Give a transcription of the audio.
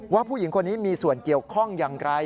ผู้หญิงคนนี้มีส่วนเกี่ยวข้องอย่างไร